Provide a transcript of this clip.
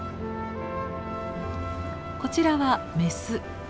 こちらはメス。